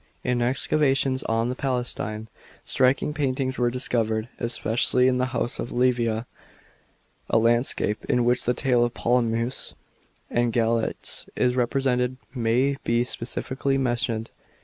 In excavations on tlio Palatine, striking paintings were discovered, especially in tho house of Livia ; a landscape in which the tale of Polyphemus and v>alater, is represented may be specially mentioned.